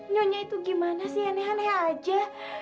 nyonya itu gimana sih aneh aneh aja